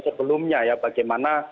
sebelumnya ya bagaimana